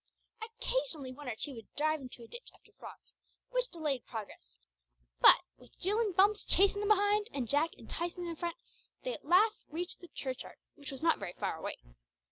Occasionally one or two would dive into a ditch after frogs, which delayed progress, but with Jill and Bumps chasing them behind, and Jack enticing them in front, they at last reached the church yard, which was not very far away.